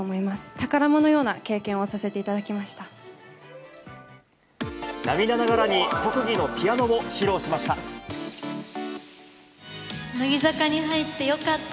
宝物のような経験をさせていただきました。